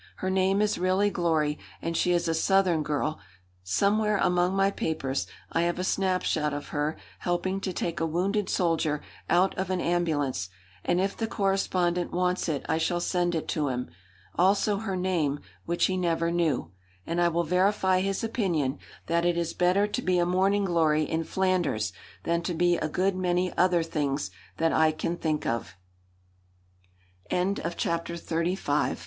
Her name is really Glory, and she is a Southern girl Somewhere among my papers I have a snapshot of her helping to take a wounded soldier out of an ambulance, and if the correspondent wants it I shall send it to him. Also her name, which he never knew. And I will verify his opinion that it is better to be a Morning Glory in Flanders than to be a good many other things that I can think of. CHAPTER XXXVI HOW AMERICANS CAN H